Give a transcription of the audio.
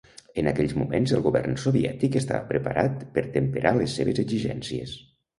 En aquells moments, el govern soviètic estava preparat per temperar les seves exigències.